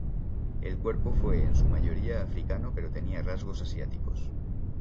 El cuerpo fue, en su mayoría, africano pero tenía rasgos asiáticos.